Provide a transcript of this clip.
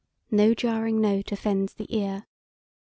No jarring note offends the ear.